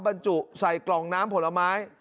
บรรจุใส่กล่องน้ำผลไม้